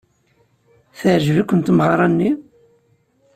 Teɛjeb-iken tmeɣra-nni?